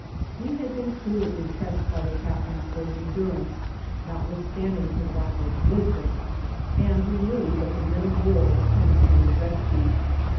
We had been truly impressed by the captain's brave endurance, notwithstanding his lack of wisdom, and we knew that the men of war were coming to his rescue.